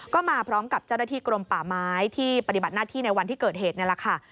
ก็มาพร้อมกับเจ้าหน้าที่กรมป่าไม้ที่ปฏิบัติหน้าที่ในวันที่เกิดเหตุนี่แหละค่ะ